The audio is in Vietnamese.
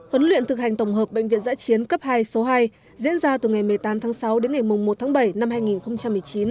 huấn luyện thực hành tổng hợp bệnh viện giã chiến cấp hai số hai diễn ra từ ngày một mươi tám tháng sáu đến ngày một tháng bảy năm hai nghìn một mươi chín